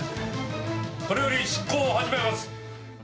これより執行を始めます。